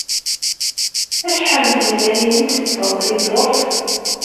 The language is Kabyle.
Acḥal n tmellalin i ttetteḍ i ddurt?